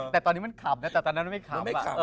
แต่ตอนนี้มันขำนะแต่ตอนนั้นมันไม่ขำไม่ขำ